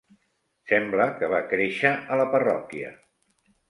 Sembla que va créixer a la parròquia.